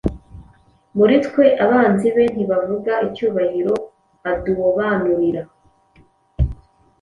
Muri twe abanzi be ntibavuga icyubahiro aduobanurira